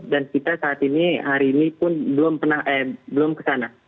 dan kita saat ini hari ini pun belum ke sana